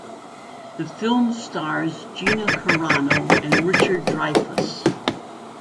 The film stars Gina Carano and Richard Dreyfuss.